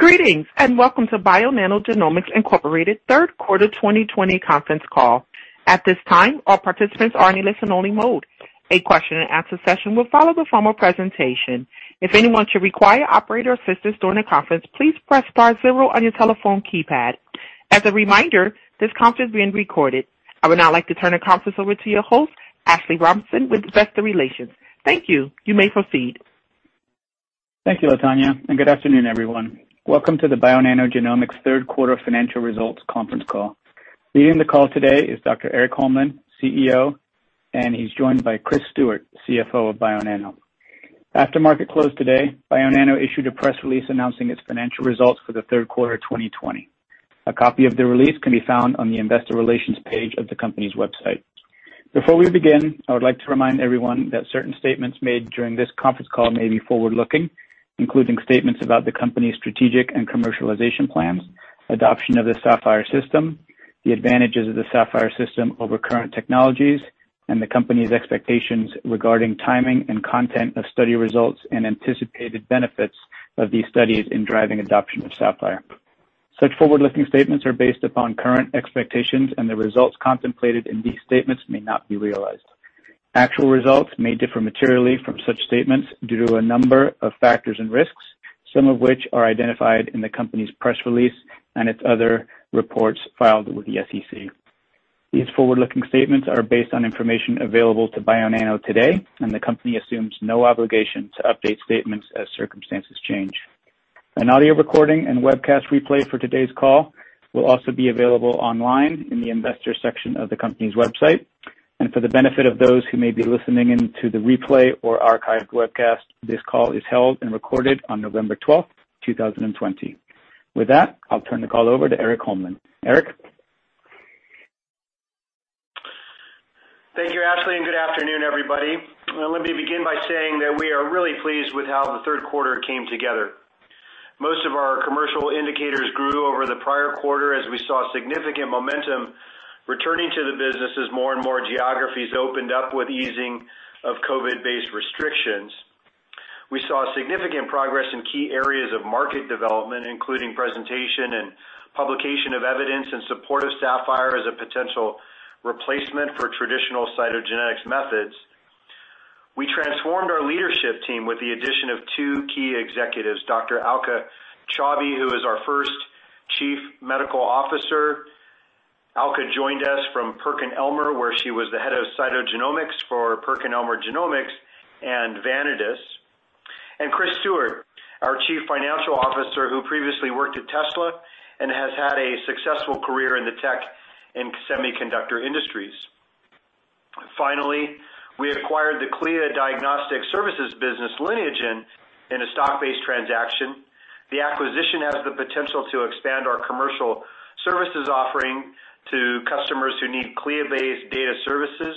Greetings, and welcome to Bionano Genomics Incorporated Third Quarter 2020 Conference Call. At this time, all participants are in listen-only mode. A question and answer session will follow the formal presentation. If anyone should require operator assistance during the conference, please press star zero on your telephone keypad. As a reminder, this conference is being recorded. I would now like to turn the conference over to your host, Ashley Robinson, with Investor Relations. Thank you. You may proceed. Thank you, Latonya. Good afternoon, everyone. Welcome to the Bionano Genomics third quarter financial results conference call. Leading the call today is Dr. Erik Holmlin, CEO, and he's joined by Chris Stewart, CFO of Bionano. After market close today, Bionano issued a press release announcing its financial results for the third quarter of 2020. A copy of the release can be found on the Investor Relations page of the company's website. Before we begin, I would like to remind everyone that certain statements made during this conference call may be forward-looking, including statements about the company's strategic and commercialization plans, adoption of the Saphyr system, the advantages of the Saphyr system over current technologies, and the company's expectations regarding timing and content of study results and anticipated benefits of these studies in driving adoption of Saphyr. Such forward-looking statements are based upon current expectations, and the results contemplated in these statements may not be realized. Actual results may differ materially from such statements due to a number of factors and risks, some of which are identified in the company's press release and its other reports filed with the SEC. These forward-looking statements are based on information available to Bionano today, and the company assumes no obligation to update statements as circumstances change. An audio recording and webcast replay for today's call will also be available online in the Investors section of the company's website. For the benefit of those who may be listening in to the replay or archived webcast, this call is held and recorded on November 12, 2020. With that, I'll turn the call over to Erik Holmlin. Erik? Thank you, Ashley. Good afternoon, everybody. Let me begin by saying that we are really pleased with how the third quarter came together. Most of our commercial indicators grew over the prior quarter as we saw significant momentum returning to the business as more and more geographies opened up with easing of COVID-based restrictions. We saw significant progress in key areas of market development, including presentation and publication of evidence in support of Saphyr as a potential replacement for traditional cytogenetics methods. We transformed our leadership team with the addition of two key executives, Dr. Alka Chaubey, who is our first Chief Medical Officer. Alka joined us from PerkinElmer, where she was the head of cytogenomics for PerkinElmer Genomics and Vanadis. Chris Stewart, our Chief Financial Officer, who previously worked at Tesla and has had a successful career in the tech and semiconductor industries. Finally, we acquired the CLIA diagnostic services business, Lineagen, in a stock-based transaction. The acquisition has the potential to expand our commercial services offering to customers who need CLIA-based data services.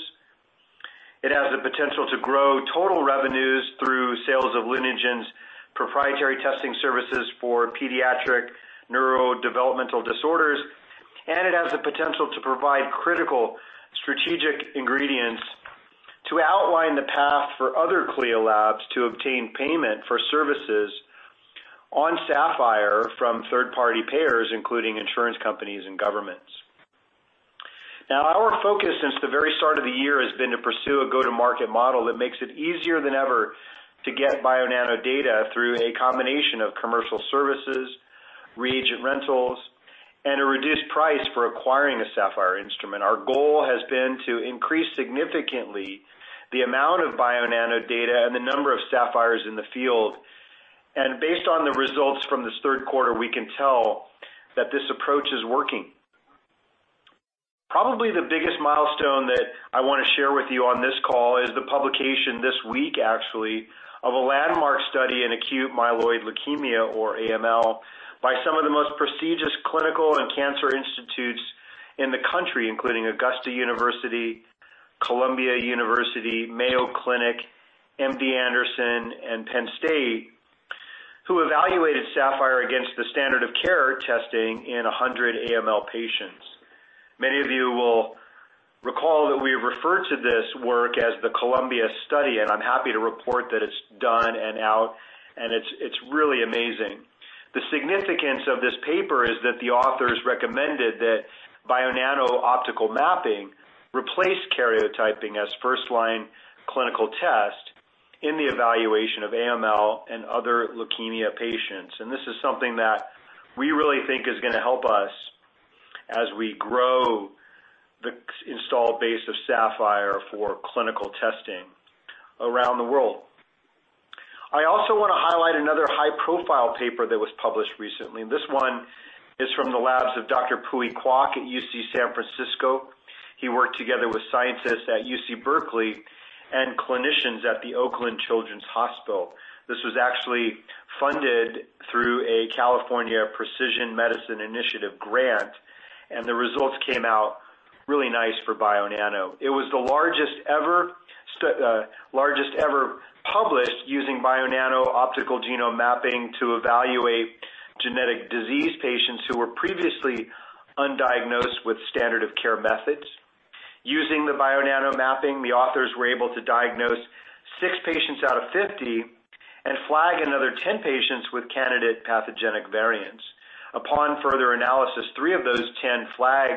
It has the potential to grow total revenues through sales of Lineagen's proprietary testing services for pediatric neurodevelopmental disorders, and it has the potential to provide critical strategic ingredients to outline the path for other CLIA labs to obtain payment for services on Saphyr from third-party payers, including insurance companies and governments. Now, our focus since the very start of the year has been to pursue a go-to-market model that makes it easier than ever to get Bionano data through a combination of commercial services, reagent rentals, and a reduced price for acquiring a Saphyr instrument. Our goal has been to increase significantly the amount of Bionano data and the number of Saphyrs in the field. Based on the results from this third quarter, we can tell that this approach is working. Probably the biggest milestone that I want to share with you on this call is the publication this week, actually, of a landmark study in acute myeloid leukemia, or AML, by some of the most prestigious clinical and cancer institutes in the country, including Augusta University, Columbia University, Mayo Clinic, MD Anderson, and Penn State, who evaluated Saphyr against the standard of care testing in 100 AML patients. Many of you will recall that we referred to this work as the Columbia study, and I'm happy to report that it's done and out, and it's really amazing. The significance of this paper is that the authors recommended that Bionano optical mapping replace karyotyping as first-line clinical test in the evaluation of AML and other leukemia patients. This is something that we really think is going to help us as we grow the install base of Saphyr for clinical testing around the world. I also want to highlight another high-profile paper that was published recently, this one is from the labs of Dr. Pui Kwok at UC San Francisco. He worked together with scientists at UC Berkeley and clinicians at the Oakland Children's Hospital. This was actually funded through a California Precision Medicine Initiative grant, the results came out really nice for Bionano. It was the largest ever published using Bionano optical genome mapping to evaluate genetic disease patients who were previously undiagnosed with standard of care methods. Using the Bionano mapping, the authors were able to diagnose six patients out of 50 and flag another 10 patients with candidate pathogenic variants. Upon further analysis, three of those 10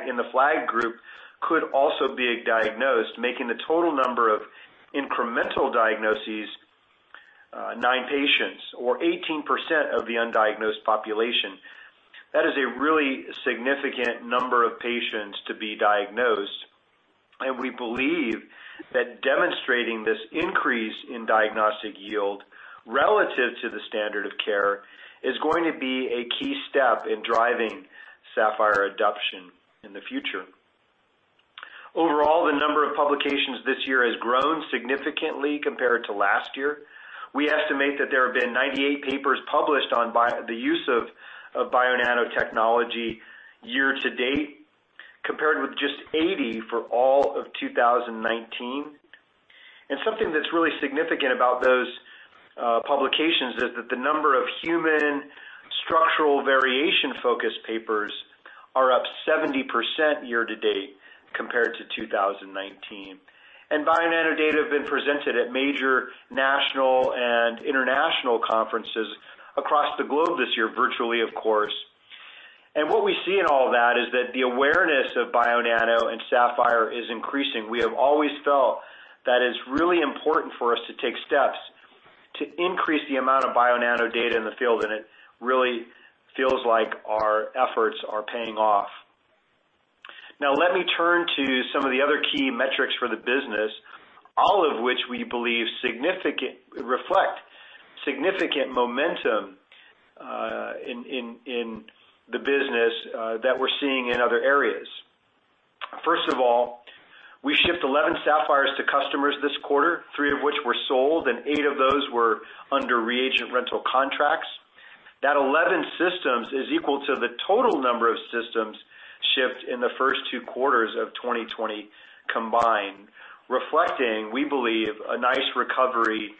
in the flagged group could also be diagnosed, making the total number of incremental diagnoses nine patients, or 18% of the undiagnosed population. That is a really significant number of patients to be diagnosed, and we believe that demonstrating this increase in diagnostic yield relative to the standard of care is going to be a key step in driving Saphyr adoption in the future. Overall, the number of publications this year has grown significantly compared to last year. We estimate that there have been 98 papers published on the use of Bionano technology year-to-date, compared with just 80 for all of 2019. Something that's really significant about those publications is that the number of human structural variation-focused papers are up 70% year-to-date compared to 2019. Bionano data have been presented at major national and international conferences across the globe this year, virtually, of course. What we see in all of that is that the awareness of Bionano and Saphyr is increasing. We have always felt that it's really important for us to take steps to increase the amount of Bionano data in the field, and it really feels like our efforts are paying off. Let me turn to some of the other key metrics for the business, all of which we believe reflect significant momentum in the business that we're seeing in other areas. First of all, we shipped 11 Saphyrs to customers this quarter, three of which were sold, and eight of those were under reagent rental contracts. That 11 systems is equal to the total number of systems shipped in the first two quarters of 2020 combined, reflecting, we believe, a nice recovery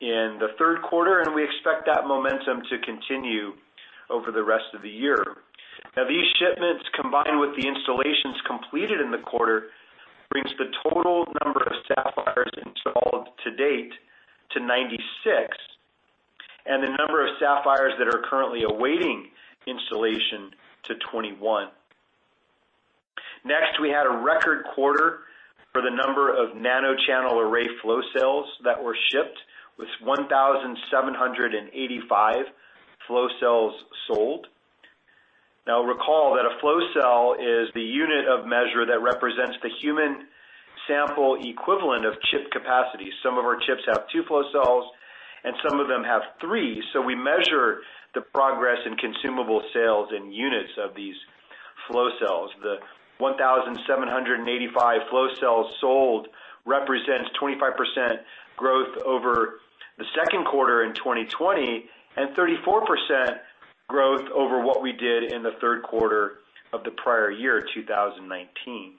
in the third quarter, and we expect that momentum to continue over the rest of the year. These shipments, combined with the installations completed in the quarter, brings the total number of Saphyrs installed to date to 96, and the number of Saphyrs that are currently awaiting installation to 21. We had a record quarter for the number of nanochannel array flow cells that were shipped, with 1,785 flow cells sold. Recall that a flow cell is the unit of measure that represents the human sample equivalent of chip capacity. Some of our chips have two flow cells and some of them have three, so we measure the progress in consumable cells in units of these flow cells. The 1,785 flow cells sold represents 25% growth over the second quarter in 2020, and 34% growth over what we did in the third quarter of the prior year, 2019.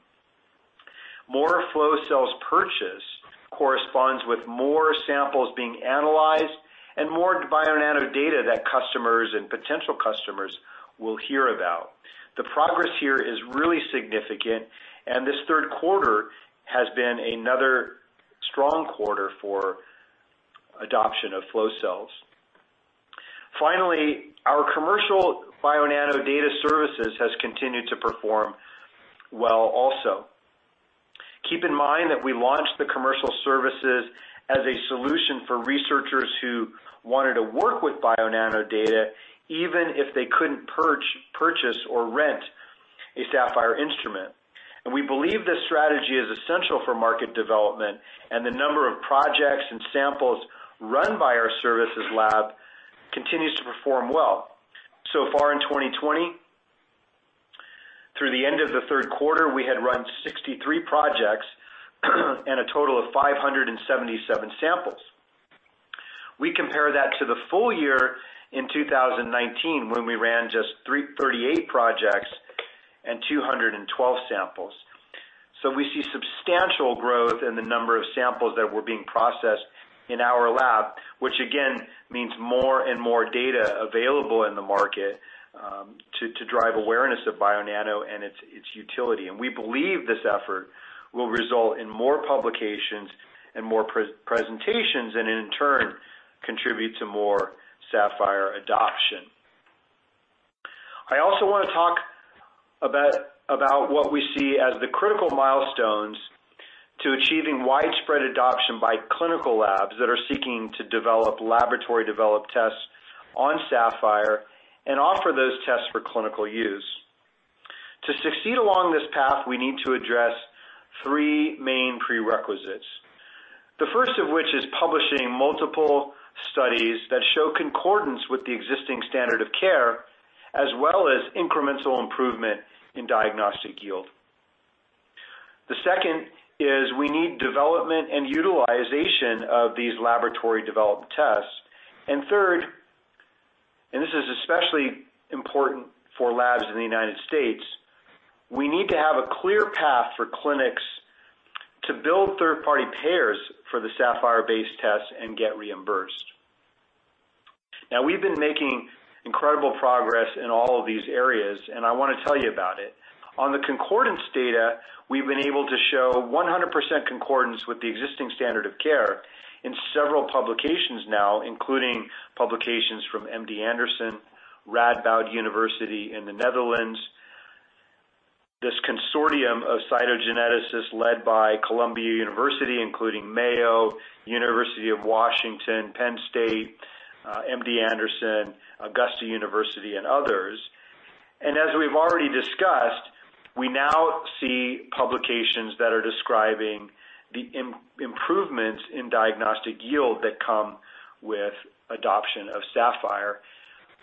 More flow cells purchased corresponds with more samples being analyzed and more Bionano data that customers and potential customers will hear about. The progress here is really significant, and this third quarter has been another strong quarter for adoption of flow cells. Finally, our commercial Bionano data services has continued to perform well also. Keep in mind that we launched the commercial services as a solution for researchers who wanted to work with Bionano data, even if they couldn't purchase or rent a Saphyr instrument. We believe this strategy is essential for market development, and the number of projects and samples run by our services lab continues to perform well. So far in 2020, through the end of the third quarter, we had run 63 projects and a total of 577 samples. We compare that to the full-year in 2019, when we ran just 38 projects and 212 samples. We see substantial growth in the number of samples that were being processed in our lab, which again means more and more data available in the market to drive awareness of Bionano and its utility. We believe this effort will result in more publications and more presentations, and in turn, contribute to more Saphyr adoption. I also want to talk about what we see as the critical milestones to achieving widespread adoption by clinical labs that are seeking to develop Laboratory Developed Tests on Saphyr and offer those tests for clinical use. To succeed along this path, we need to address three main prerequisites, the first of which is publishing multiple studies that show concordance with the existing standard of care, as well as incremental improvement in diagnostic yield. The second is we need development and utilization of these laboratory-developed tests. Third, this is especially important for labs in the United States., we need to have a clear path for clinics to bill third-party payers for the Saphyr base test and get reimbursed. We've been making incredible progress in all of these areas, and I want to tell you about it. On the concordance data, we've been able to show 100% concordance with the existing standard of care in several publications now, including publications from MD Anderson, Radboud University in the Netherlands, this consortium of cytogeneticists led by Columbia University, including Mayo, University of Washington, Penn State, MD Anderson, Augusta University, and others. As we've already discussed, we now see publications that are describing the improvements in diagnostic yield that come with adoption of Saphyr.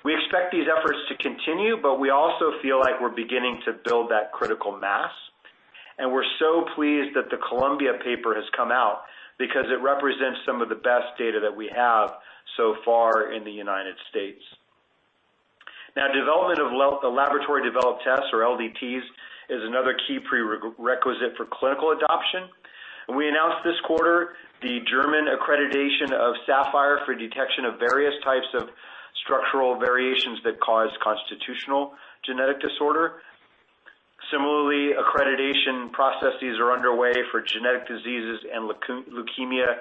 We expect these efforts to continue, but we also feel like we're beginning to build that critical mass, and we're so pleased that the Columbia paper has come out because it represents some of the best data that we have so far in the United States. Now, development of laboratory developed tests, or LDTs, is another key prerequisite for clinical adoption. We announced this quarter the German accreditation of Saphyr for detection of various types of structural variations that cause constitutional genetic disorder. Similarly, accreditation processes are underway for genetic diseases and leukemia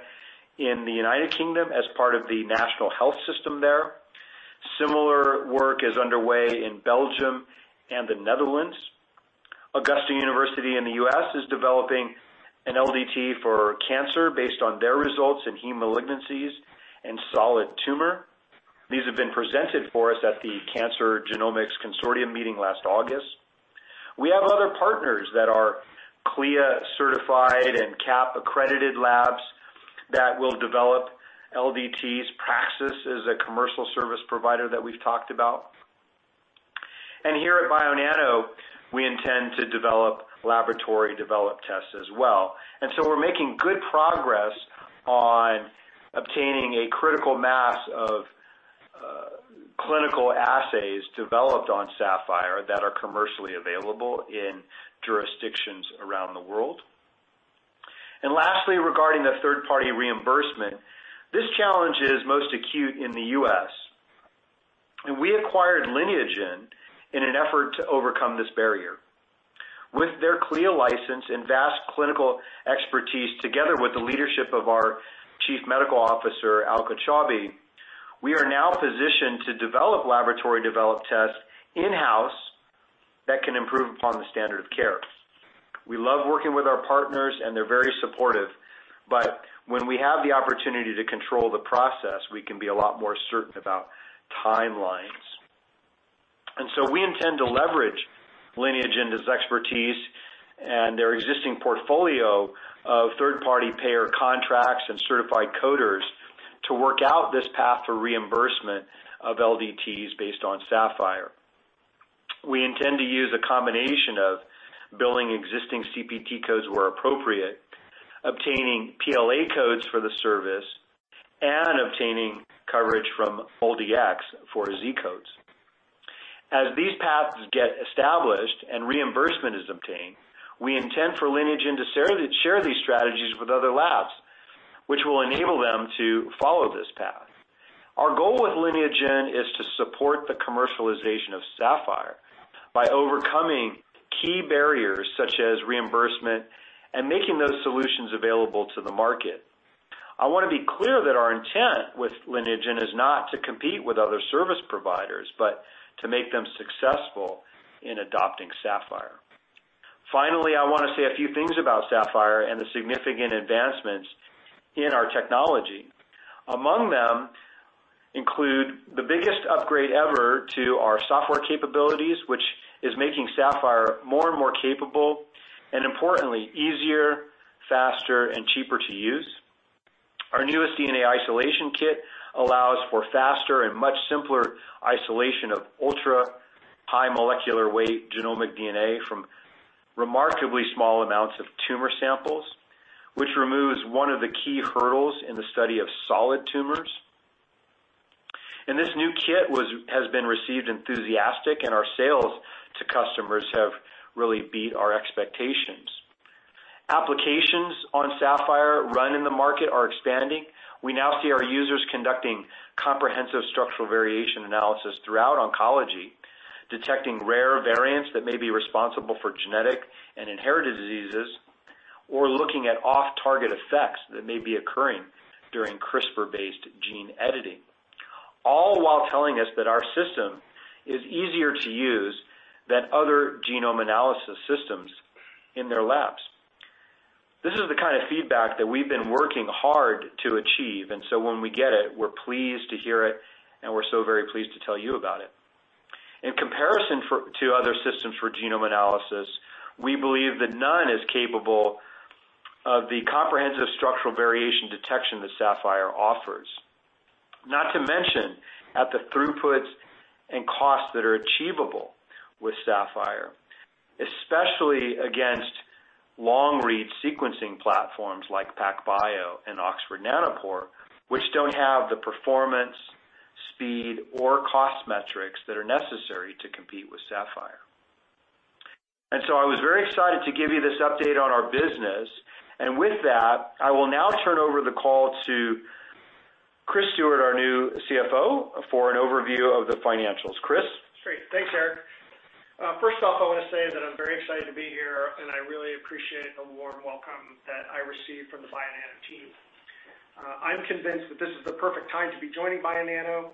in the United Kingdom as part of the national health system there. Similar work is underway in Belgium and the Netherlands. Augusta University in the U.S. is developing an LDT for cancer based on their results in heme malignancies and solid tumor. These have been presented for us at the Cancer Genomics Consortium meeting last August. We have other partners that are CLIA certified and CAP accredited labs that will develop LDTs. Praxis is a commercial service provider that we've talked about. Here at Bionano, we intend to develop laboratory developed tests as well. We're making good progress on obtaining a critical mass of clinical assays developed on Saphyr that are commercially available in jurisdictions around the world. Lastly, regarding the third-party reimbursement, this challenge is most acute in the U.S., and we acquired Lineagen in an effort to overcome this barrier. With their CLIA license and vast clinical expertise, together with the leadership of our Chief Medical Officer, Alka Chaubey, we are now positioned to develop laboratory developed tests in-house that can improve upon the standard of care. We love working with our partners, and they're very supportive, but when we have the opportunity to control the process, we can be a lot more certain about timelines. We intend to leverage Lineagen's expertise and their existing portfolio of third-party payer contracts and certified coders to work out this path for reimbursement of LDTs based on Saphyr. We intend to use a combination of billing existing CPT codes where appropriate, obtaining PLA codes for the service, and obtaining coverage from MolDX for Z codes. As these paths get established and reimbursement is obtained, we intend for Lineagen to share these strategies with other labs, which will enable them to follow this path. Our goal with Lineagen is to support the commercialization of Saphyr by overcoming key barriers such as reimbursement and making those solutions available to the market. I want to be clear that our intent with Lineagen is not to compete with other service providers, but to make them successful in adopting Saphyr. Finally, I want to say a few things about Saphyr and the significant advancements in our technology. Among them include the biggest upgrade ever to our software capabilities, which is making Saphyr more and more capable, and importantly, easier, faster, and cheaper to use. Our newest DNA isolation kit allows for faster and much simpler isolation of ultra-high molecular weight genomic DNA from remarkably small amounts of tumor samples, which removes one of the key hurdles in the study of solid tumors. This new kit has been received enthusiastic, and our sales to customers have really beat our expectations. Applications on Saphyr run in the market are expanding. We now see our users conducting comprehensive structural variation analysis throughout oncology, detecting rare variants that may be responsible for genetic and inherited diseases, or looking at off-target effects that may be occurring during CRISPR-based gene editing, all while telling us that our system is easier to use than other genome analysis systems in their labs. This is the kind of feedback that we've been working hard to achieve. When we get it, we're pleased to hear it, and we're so very pleased to tell you about it. In comparison to other systems for genome analysis, we believe that none is capable of the comprehensive structural variation detection that Saphyr offers, not to mention at the throughputs and costs that are achievable with Saphyr, especially against long-read sequencing platforms like PacBio and Oxford Nanopore, which don't have the performance, speed, or cost metrics that are necessary to compete with Saphyr. I was very excited to give you this update on our business. With that, I will now turn over the call to Chris Stewart, our new CFO, for an overview of the financials. Chris? Great. Thanks, Erik. First off, I want to say that I'm very excited to be here, and I really appreciate the warm welcome that I received from the Bionano team. I'm convinced that this is the perfect time to be joining Bionano.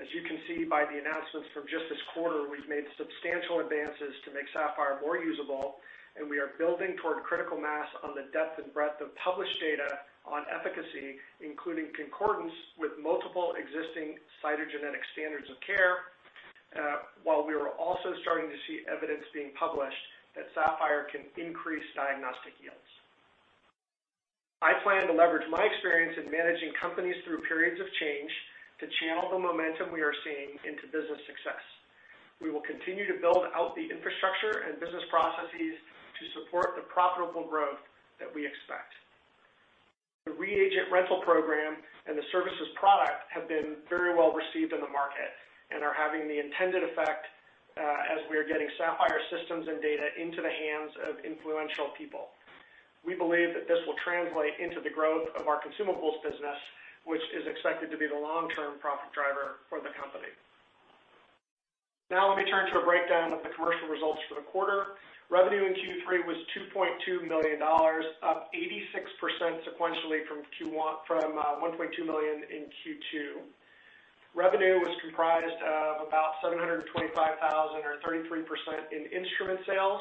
As you can see by the announcements from just this quarter, we've made substantial advances to make Saphyr more usable, and we are building toward critical mass on the depth and breadth of published data on efficacy, including concordance with multiple existing cytogenetic standards of care, while we are also starting to see evidence being published that Saphyr can increase diagnostic yields. I plan to leverage my experience in managing companies through periods of change to channel the momentum we are seeing into business success. We will continue to build out the infrastructure and business processes to support the profitable growth that we expect. The reagent rental program and the services product have been very well received in the market and are having the intended effect, as we are getting Saphyr systems and data into the hands of influential people. We believe that this will translate into the growth of our consumables business, which is expected to be the long-term profit driver for the company. Now let me turn to a breakdown of the commercial results for the quarter. Revenue in Q3 was $2.2 million, up 86% sequentially from $1.2 million in Q2. Revenue was comprised of about $725,000, or 33%, in instrument sales,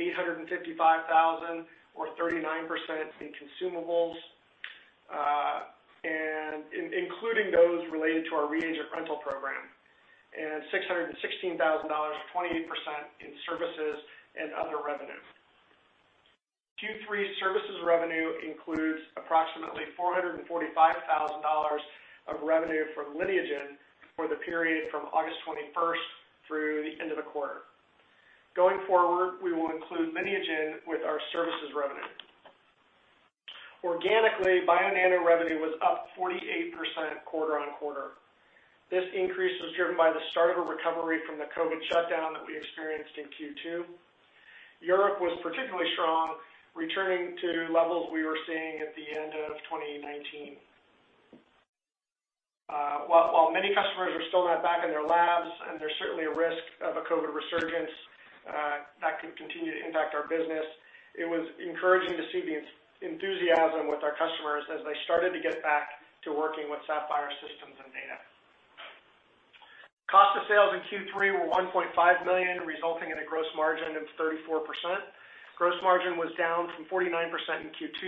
$855,000, or 39%, in consumables, and including those related to our reagent rental program, and $616,000, or 28%, in services and other revenues. Q3 services revenue includes approximately $445,000 of revenue from Lineagen for the period from August 21st through the end of the quarter. Going forward, we will include Lineagen with our services revenue. Organically, Bionano revenue was up 48% quarter-on-quarter. This increase was driven by the start of a recovery from the COVID shutdown that we experienced in Q2. Europe was particularly strong, returning to levels we were seeing at the end of 2019. While many customers are still not back in their labs, and there's certainly a risk of a COVID resurgence that could continue to impact our business, it was encouraging to see the enthusiasm with our customers as they started to get back to working with Saphyr systems and data. Cost of sales in Q3 were $1.5 million, resulting in a gross margin of 34%. Gross margin was down from 49% in Q2,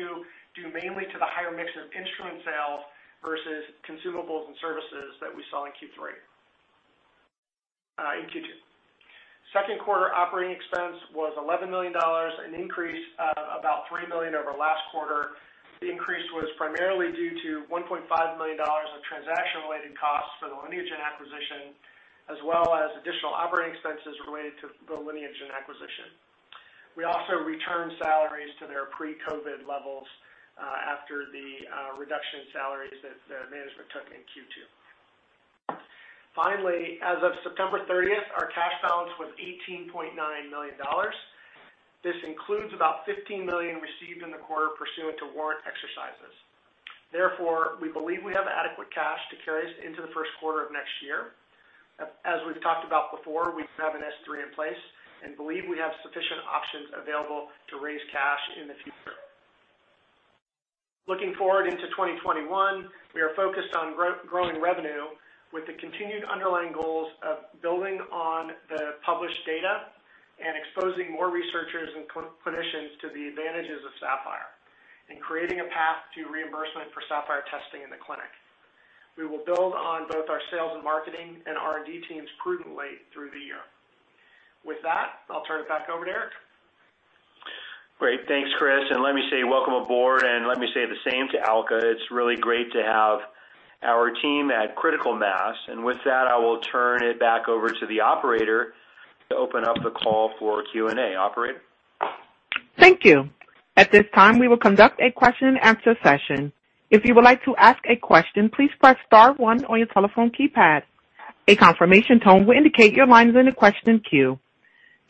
due mainly to the higher mix of instrument sales versus consumables and services that we saw in Q2.4 Third quarter operating expense was $11 million, an increase of about $3 million over last quarter. The increase was primarily due to $1.5 million of transaction-related costs for the Lineagen acquisition, as well as additional operating expenses related to the Lineagen acquisition. We also returned salaries to their pre-COVID levels after the reduction in salaries that management took in Q2. Finally, as of September 30th, our cash balance was $18.9 million. This includes about $15 million received in the quarter pursuant to warrant exercises. Therefore, we believe we have adequate cash to carry us into the first quarter of next year. As we've talked about before, we have an S-3 in place and believe we have sufficient options available to raise cash in the future. Looking forward into 2021, we are focused on growing revenue with the continued underlying goals of building on the published data and exposing more researchers and clinicians to the advantages of Saphyr and creating a path to reimbursement for Saphyr testing in the clinic. We will build on both our sales and marketing and R&D teams prudently through the year. With that, I'll turn it back over to Erik. Great. Thanks, Chris. Let me say welcome aboard, and let me say the same to Alka. It's really great to have our team at critical mass. With that, I will turn it back over to the operator to open up the call for Q&A. Operator? Thank you. At this time, we will conduct a question and answer session. If you would like to ask a question, please press star one on your telephone keypad. A confirmation tone will indicate your line is in a question queue.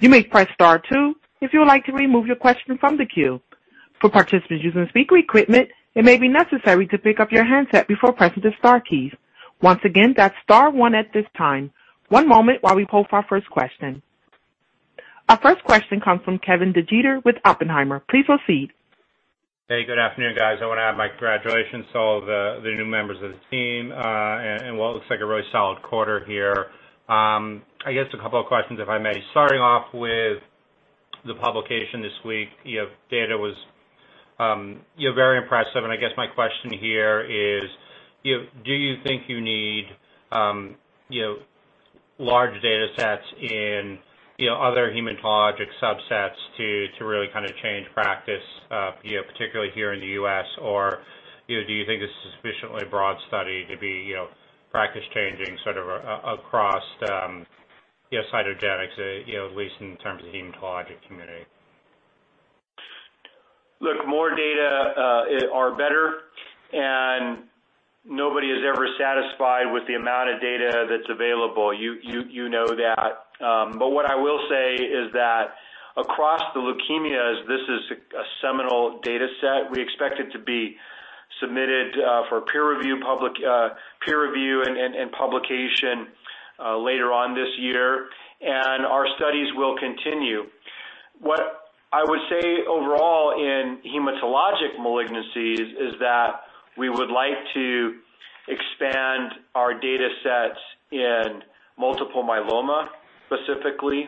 You may press star two if you would like to remove your question from the queue. For participants using speaker equipment, it may be necessary to pick up your handset before pressing the star keys. Once again, that's star one at this time. One moment while we poll for our first question. Our first question comes from Kevin DeGeeter with Oppenheimer. Please proceed. Hey, good afternoon, guys. I want to add my congratulations to all the new members of the team, and what looks like a really solid quarter here. I guess a couple of questions, if I may. Starting off with the publication this week, data was very impressive, and I guess my question here is, do you think you need large data sets in other hematologic subsets to really change practice, particularly here in the U.S., or do you think this is a sufficiently broad study to be practice-changing sort of across cytogenetics, at least in terms of the hematologic community? Look, more data are better, and nobody is ever satisfied with the amount of data that's available. You know that. What I will say is that across the leukemias, this is a seminal data set. We expect it to be submitted for peer review and publication later on this year, and our studies will continue. What I would say overall in hematologic malignancies is that we would like to expand our data sets in multiple myeloma, specifically,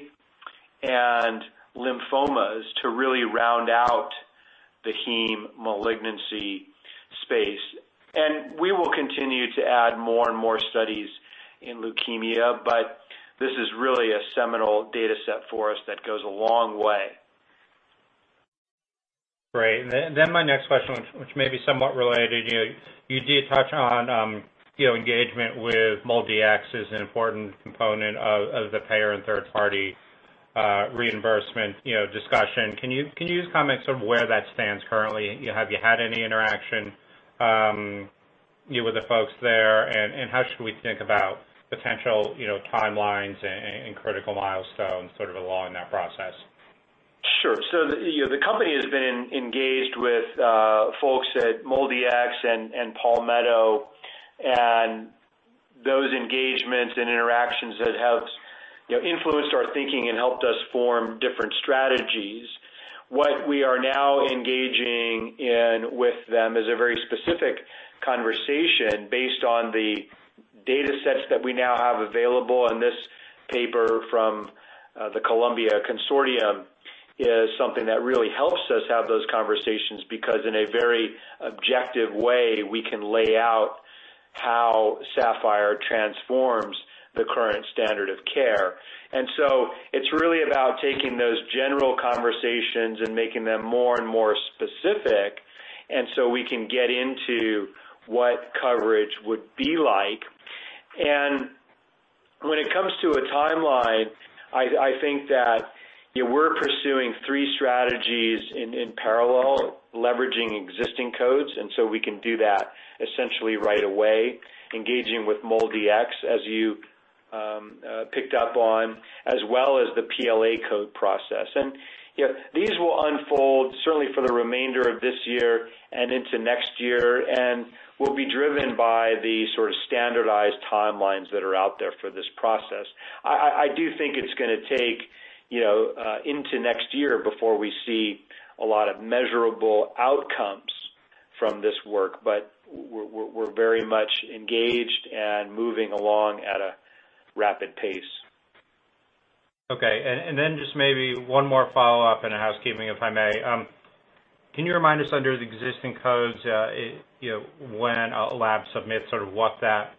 and lymphomas to really round out the heme malignancy space. We will continue to add more and more studies in leukemia, but this is really a seminal data set for us that goes a long way. Great. My next question, which may be somewhat related, you did touch on engagement with MolDX as an important component of the payer and third-party reimbursement discussion. Can you just comment sort of where that stands currently? Have you had any interaction with the folks there, and how should we think about potential timelines and critical milestones sort of along that process? Sure. The company has been engaged with folks at MolDX and Palmetto GBA, and those engagements and interactions have influenced our thinking and helped us form different strategies. What we are now engaging in with them is a very specific conversation based on the data sets that we now have available, and this paper from the Columbia Consortium is something that really helps us have those conversations, because in a very objective way, we can lay out how Saphyr transforms the current standard of care. It's really about taking those general conversations and making them more and more specific, and so we can get into what coverage would be like. When it comes to a timeline, I think that we're pursuing three strategies in parallel, leveraging existing codes, we can do that essentially right away, engaging with MolDX, as you picked up on, as well as the PLA code process. These will unfold certainly for the remainder of this year and into next year and will be driven by the sort of standardized timelines that are out there for this process. I do think it's going to take into next year before we see a lot of measurable outcomes from this work, but we're very much engaged and moving along at a rapid pace. Okay, just maybe one more follow-up and a housekeeping, if I may. Can you remind us, under the existing codes, when a lab submits, sort of what that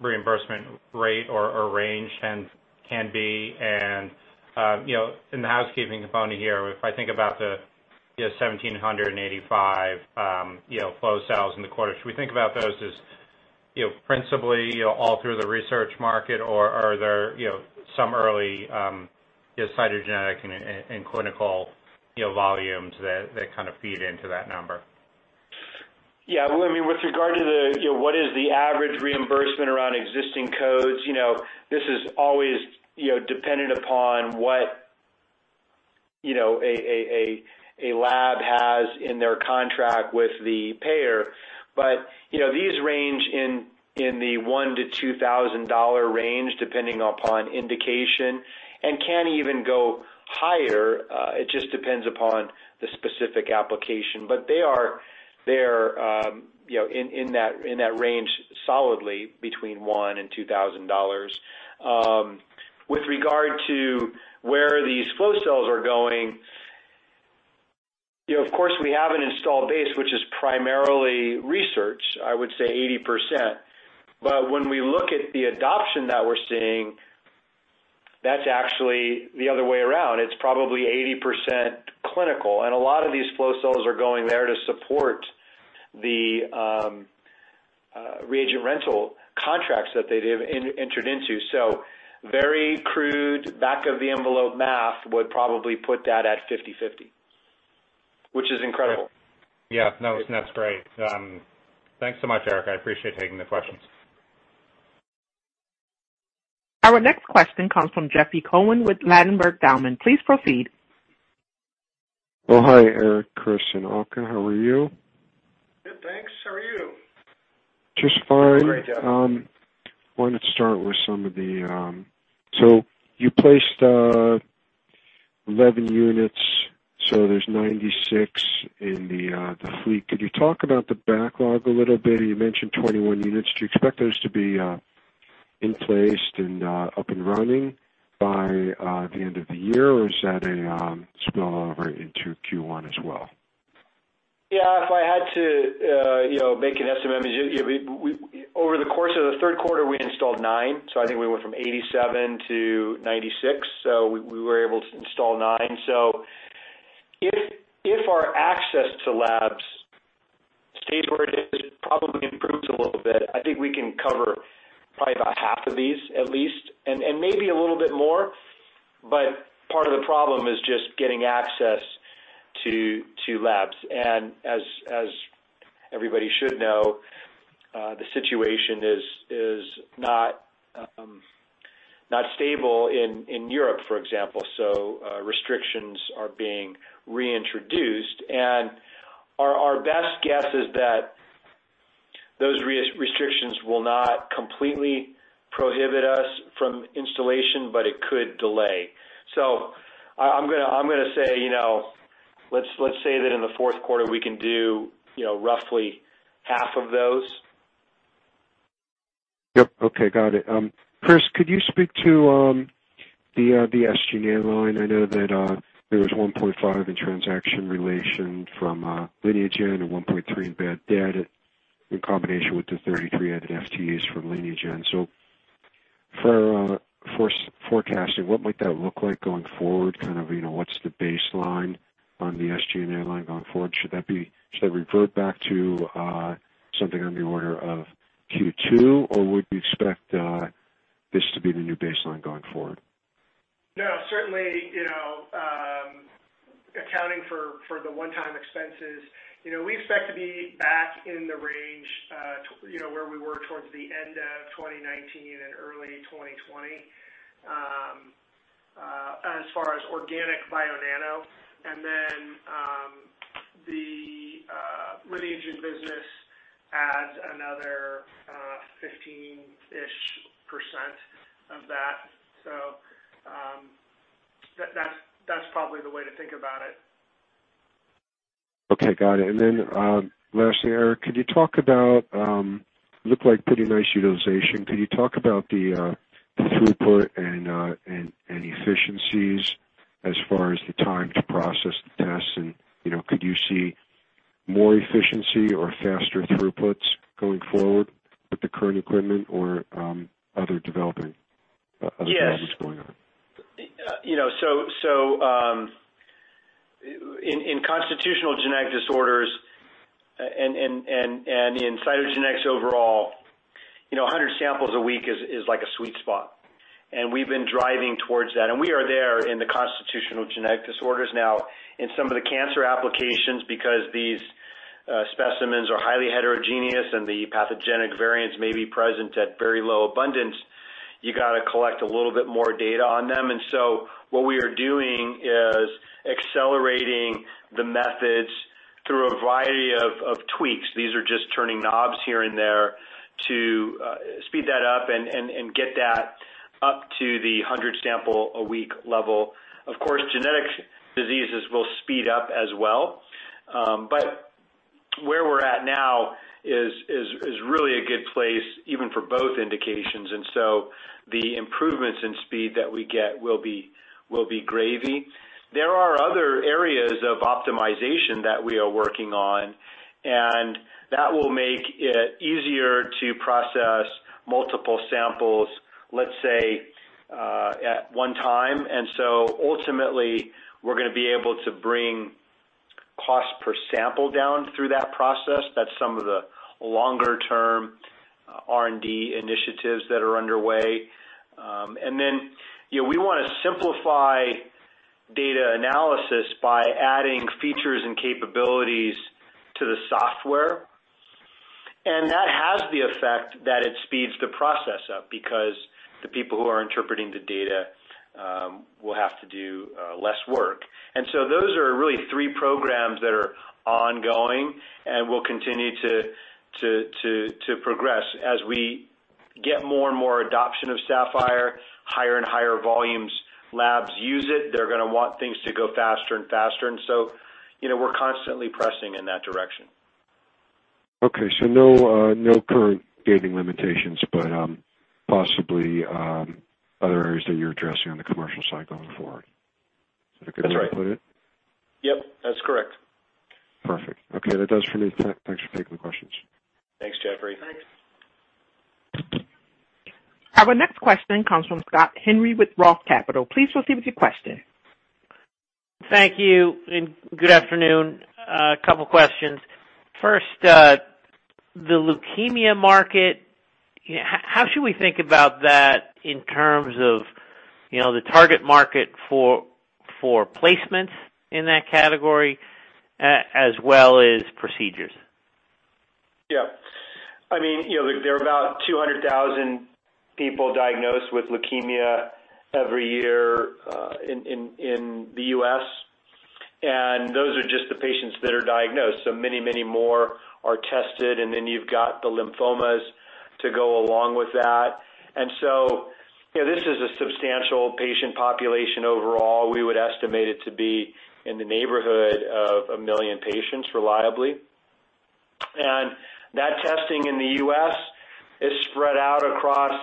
reimbursement rate or range can be? In the housekeeping component here, if I think about the 1,785 flow cells in the quarter, should we think about those as principally all through the research market, or are there some early cytogenetic and clinical volumes that kind of feed into that number? Well, with regard to what is the average reimbursement around existing codes, this is always dependent upon what a lab has in their contract with the payer. These range in the $1,000-$2,000 range, depending upon indication, and can even go higher. It just depends upon the specific application. They are there in that range solidly between $1,000 and $2,000. With regard to where these flow cells are going, of course, we have an installed base, which is primarily research, I would say 80%, when we look at the adoption that we're seeing, that's actually the other way around. It's probably 80% clinical, a lot of these flow cells are going there to support the reagent rental contracts that they've entered into. Very crude back of the envelope math would probably put that at 50/50, which is incredible. Yeah. No, that's great. Thanks so much, Erik. I appreciate taking the questions. Our next question comes from Jeffrey Cohen with Ladenburg Thalmann. Please proceed. Well, hi, Erik, Chris, and Alka. How are you? Good, thanks. How are you? Just fine. Great, Jeff. You placed 11 units, so there's 96 in the fleet. Could you talk about the backlog a little bit? You mentioned 21 units. Do you expect those to be in placed and up and running by the end of the year, or is that a spill-over into Q1 as well? Yeah. If I had to make an estimate, over the course of the third quarter, we installed nine. I think we went from 87 to 96, so we were able to install nine. If our access to labs probably improves a little bit, I think we can cover probably about half of these at least, and maybe a little bit more. Part of the problem is just getting access to labs. As everybody should know, the situation is not stable in Europe, for example, so restrictions are being reintroduced, and our best guess is that those restrictions will not completely prohibit us from installation, but it could delay. I'm going to say, let's say that in the fourth quarter we can do roughly half of those. Yep. Okay. Got it. Chris, could you speak to the SG&A line? I know that there was $1.5 in transaction relation from Lineagen and $1.3 in bad debt in combination with the 33 added FTEs from Lineagen. For forecasting, what might that look like going forward? What's the baseline on the SG&A line going forward? Should that revert back to something on the order of Q2, or would we expect this to be the new baseline going forward? Certainly, accounting for the one-time expenses, we expect to be back in the range, where we were towards the end of 2019 and early 2020, as far as organic Bionano and then, the Lineagen business adds another 15-ish% of that. That's probably the way to think about it. Okay. Got it. Lastly, Erik, looked like pretty nice utilization. Could you talk about the throughput and efficiencies as far as the time to process the tests and, could you see more efficiency or faster throughputs going forward with the current equipment or other developments going on? Yes. In constitutional genetic disorders and in cytogenomics overall, 100 samples a week is like a sweet spot, and we've been driving towards that, and we are there in the constitutional genetic disorders now in some of the cancer applications, because these specimens are highly heterogeneous and the pathogenic variants may be present at very low abundance, you got to collect a little bit more data on them. What we are doing is accelerating the methods through a variety of tweaks. These are just turning knobs here and there to speed that up and get that up to the 100-sample-a-week level. Of course, genetic diseases will speed up as well. Where we're at now is really a good place, even for both indications, and so the improvements in speed that we get will be gravy. There are other areas of optimization that we are working on, that will make it easier to process multiple samples, let's say, at one time. Ultimately, we're going to be able to bring cost per sample down through that process. That's some of the longer-term R&D initiatives that are underway. We want to simplify data analysis by adding features and capabilities to the software. That has the effect that it speeds the process up because the people who are interpreting the data will have to do less work. Those are really three programs that are ongoing and will continue to progress as we get more and more adoption of Saphyr, higher and higher volumes, labs use it, they're going to want things to go faster and faster, we're constantly pressing in that direction. Okay. No current gating limitations, but possibly other areas that you're addressing on the commercial side going forward. Is that a good way to put it? Yep, that's correct. Perfect. Okay. That does for me. Thanks for taking the questions. Thanks, Jeffrey. Thanks. Our next question comes from Scott Henry with Roth Capital. Please proceed with your question. Thank you, and good afternoon. A couple questions. First, the leukemia market, how should we think about that in terms of the target market for placements in that category, as well as procedures? Yeah. There are about 200,000 people diagnosed with leukemia every year in the U.S., those are just the patients that are diagnosed. Many more are tested, and then you've got the lymphomas to go along with that. This is a substantial patient population overall. We would estimate it to be in the neighborhood of a million patients reliably. That testing in the U.S. is spread out across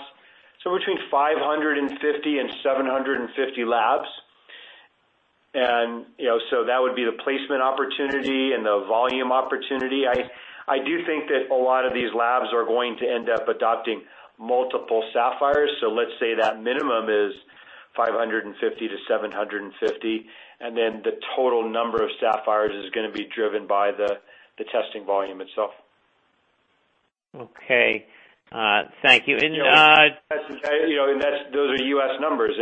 between 550 and 750 labs. That would be the placement opportunity and the volume opportunity. I do think that a lot of these labs are going to end up adopting multiple Saphyrs. Let's say that minimum is 550 to 750, and then the total number of Saphyrs is going to be driven by the testing volume itself. Okay. Thank you. Those are U.S. numbers.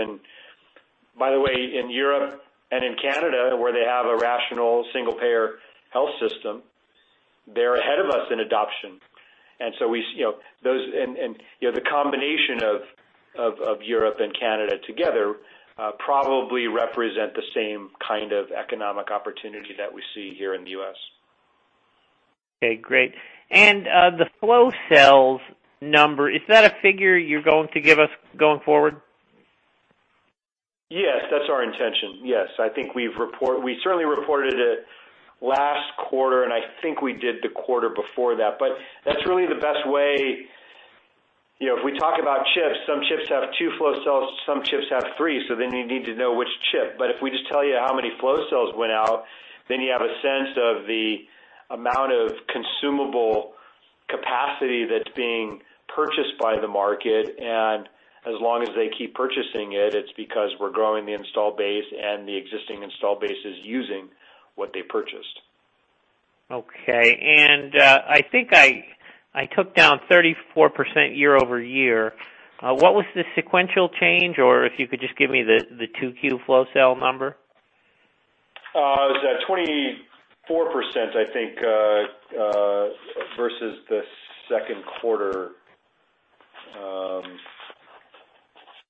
By the way, in Europe and in Canada, where they have a rational single-payer health system, they're ahead of us in adoption. The combination of Europe and Canada together probably represent the same kind of economic opportunity that we see here in the U.S. Okay, great. The flow cells number, is that a figure you're going to give us going forward? Yes, that's our intention. Yes. We certainly reported it last quarter, and I think we did the quarter before that. That's really the best way, if we talk about chips, some chips have two flow cells, some chips have three. You need to know which chip. If we just tell you how many flow cells went out, you have a sense of the amount of consumable capacity that's being purchased by the market. As long as they keep purchasing it's because we're growing the install base, and the existing install base is using what they purchased. Okay. I think I took down 34% year-over-year. What was the sequential change? If you could just give me the 2Q flow cell number. It was at 24%, I think, versus the second quarter.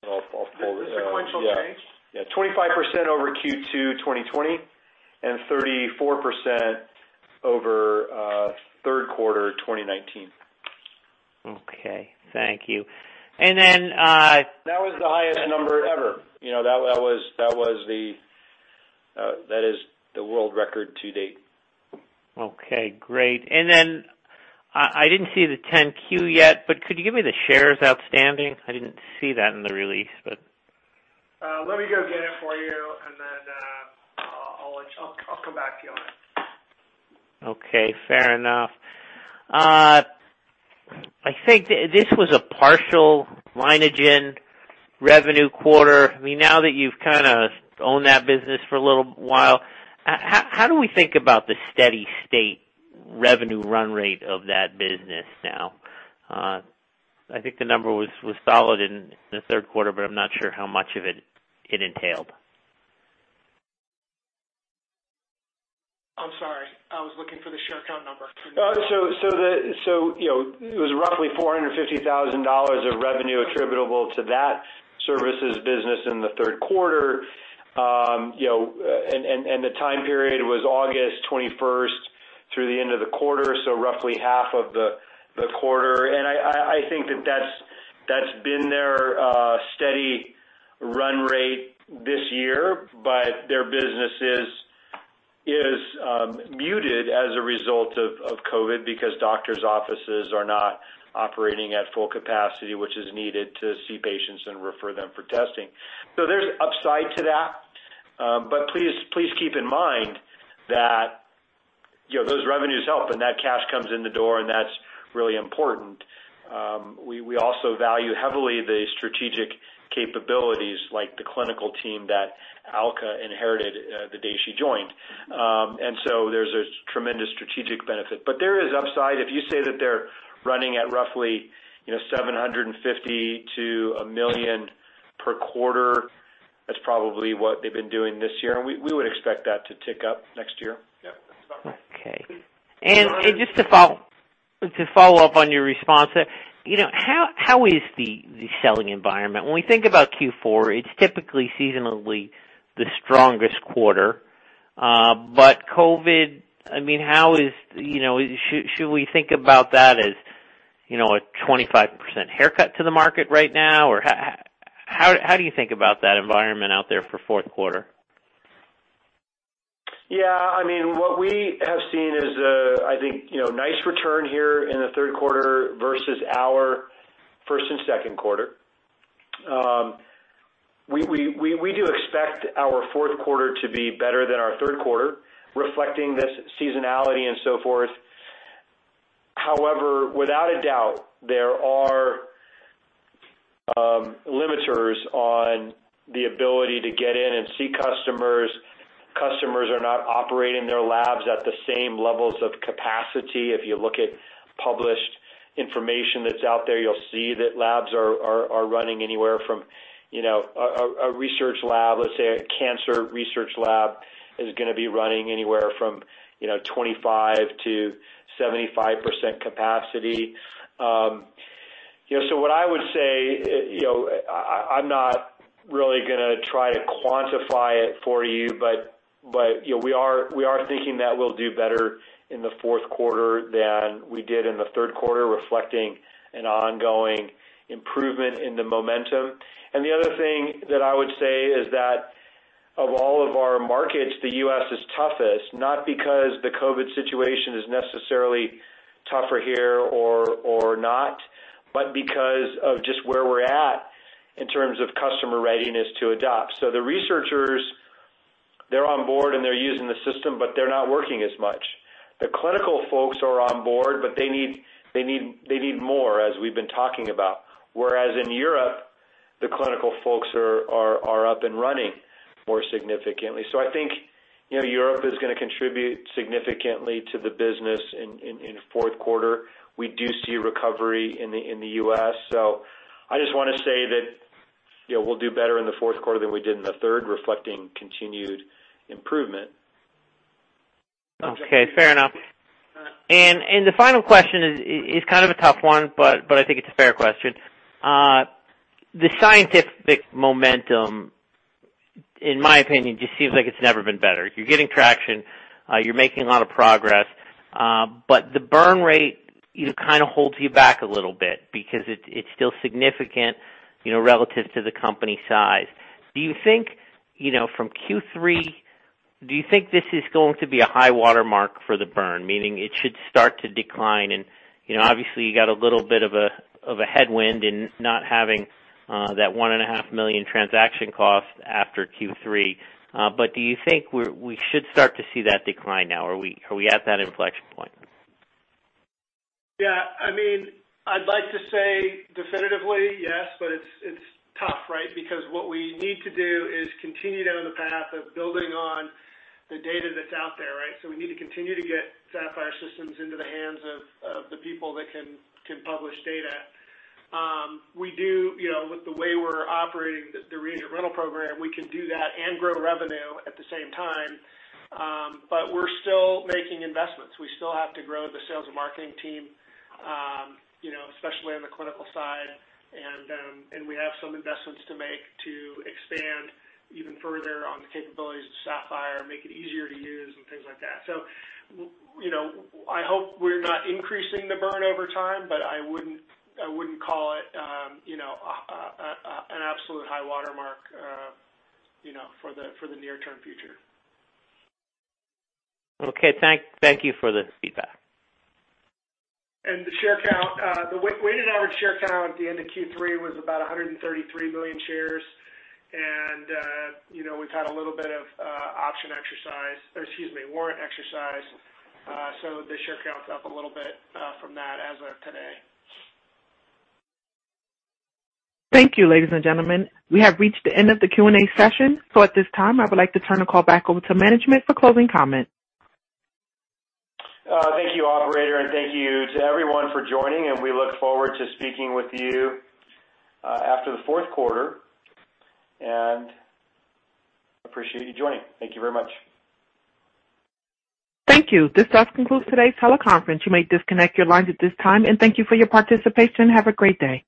The sequential change? Yeah. 25% over Q2 2020, and 34% over third quarter 2019. Okay. Thank you. That was the highest number ever. That is the world record to date. Okay, great. Then I didn't see the 10-Q yet, but could you give me the shares outstanding? I didn't see that in the release. Let me go get it for you, and then I'll come back to you on. Okay, fair enough. I think this was a partial Lineagen revenue quarter. Now that you've owned that business for a little while, how do we think about the steady state revenue run rate of that business now? I think the number was solid in the third quarter, but I'm not sure how much of it entailed. I'm sorry. I was looking for the share count number. It was roughly $450,000 of revenue attributable to that services business in the third quarter. The time period was August 21st through the end of the quarter, so roughly half of the quarter. I think that that's been their steady run rate this year. Their business is muted as a result of COVID because doctors' offices are not operating at full capacity, which is needed to see patients and refer them for testing. There's upside to that. Please keep in mind that those revenues help, and that cash comes in the door, and that's really important. We also value heavily the strategic capabilities, like the clinical team that Alka inherited the day she joined. There's a tremendous strategic benefit. There is upside if you say that they're running at roughly $750-$1 million per quarter, that's probably what they've been doing this year, and we would expect that to tick up next year. Yep, that's about right. Okay. Just to follow-up on your response there, how is the selling environment? When we think about Q4, it's typically seasonally the strongest quarter. COVID, should we think about that as a 25% haircut to the market right now? How do you think about that environment out there for fourth quarter? Yeah. What we have seen is, I think, nice return here in the third quarter versus our first and second quarter. We do expect our fourth quarter to be better than our third quarter, reflecting this seasonality and so forth. However, without a doubt, there are limiters on the ability to get in and see customers. Customers are not operating their labs at the same levels of capacity. If you look at published information that's out there, you'll see that labs are running anywhere from a research lab, let's say a cancer research lab, is going to be running anywhere from 25%-75% capacity. What I would say, I'm not really going to try to quantify it for you, but we are thinking that we'll do better in the fourth quarter than we did in the third quarter, reflecting an ongoing improvement in the momentum. The other thing that I would say is that of all of our markets, the U.S. is toughest, not because the COVID situation is necessarily tougher here or not, but because of just where we're at in terms of customer readiness to adopt. The researchers. They're on board and they're using the system, but they're not working as much. The clinical folks are on board, but they need more, as we've been talking about. Whereas in Europe, the clinical folks are up and running more significantly. I think Europe is going to contribute significantly to the business in fourth quarter. We do see recovery in the U.S. I just want to say that we'll do better in the fourth quarter than we did in the third, reflecting continued improvement. Okay, fair enough. The final question is kind of a tough one, but I think it's a fair question. The scientific momentum, in my opinion, just seems like it's never been better. You're getting traction. You're making a lot of progress. The burn rate kind of holds you back a little bit because it's still significant relative to the company size. Do you think from Q3, do you think this is going to be a high watermark for the burn? Meaning it should start to decline and obviously you got a little bit of a headwind in not having that one and a half million transaction cost after Q3. Do you think we should start to see that decline now? Are we at that inflection point? Yeah. I'd like to say definitively yes, but it's tough, right? Because what we need to do is continue down the path of building on the data that's out there, right? We need to continue to get Saphyr systems into the hands of the people that can publish data. With the way we're operating the reagent rental program, we can do that and grow revenue at the same time. We're still making investments. We still have to grow the sales and marketing team, especially on the clinical side. We have some investments to make to expand even further on the capabilities of Saphyr and make it easier to use and things like that. I hope we're not increasing the burn over time, but I wouldn't call it an absolute high watermark for the near-term future. Okay. Thank you for the feedback. The share count, the weighted average share count at the end of Q3 was about 133 million shares. We've had a little bit of warrant exercise. The share count's up a little bit from that as of today. Thank you, ladies and gentlemen. We have reached the end of the Q&A session. At this time, I would like to turn the call back over to management for closing comments. Thank you, operator, and thank you to everyone for joining, and we look forward to speaking with you after the fourth quarter. Appreciate you joining. Thank you very much. Thank you. This does conclude today's teleconference. You may disconnect your lines at this time, and thank you for your participation. Have a great day.